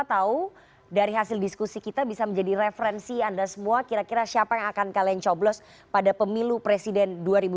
kita tahu dari hasil diskusi kita bisa menjadi referensi anda semua kira kira siapa yang akan kalian coblos pada pemilu presiden dua ribu dua puluh